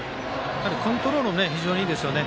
コントロールも非常にいいですよね。